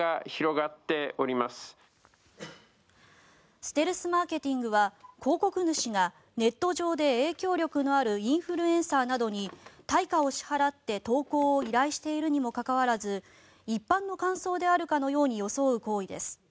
ステルスマーケティングは広告主がネット上で影響力のあるインフルエンサーなどに対価を支払って、投稿を依頼しているにもかかわらず一般の感想であるかのように装う行為です。